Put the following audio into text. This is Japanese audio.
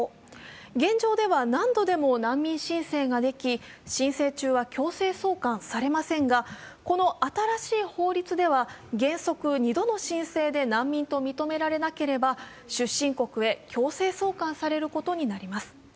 現状では何度でも難民申請ができ申請中は強制送還されませんがこの新しい法律では原則２度の申請で難民と認められなければ、出身国へ強制送還されることになります。